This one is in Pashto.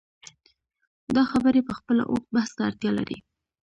دا خبرې پخپله اوږد بحث ته اړتیا لري.